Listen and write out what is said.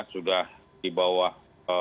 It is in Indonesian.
sudah di bawah